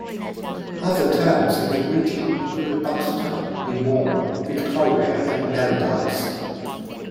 Other towns in the region include Buxton, Enmore, Victoria and Paradise.